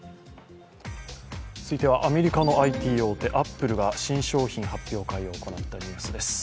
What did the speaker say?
続いてはアメリカのＩＴ大手アップルが新商品発表会を行ったニュースです。